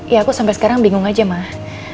ya aku sampai sekarang bingung aja mah